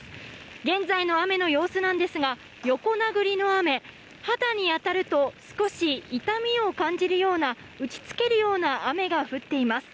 現在の雨の様子なんですが、横殴りの雨、肌に当たると少し痛みを感じるような、打ちつけるような雨が降っています。